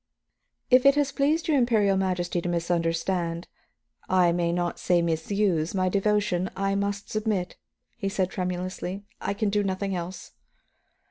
"If it has pleased your Imperial Majesty to misunderstand, I may not say misuse, my devotion, I must submit," he said tremulously. "I can do nothing else."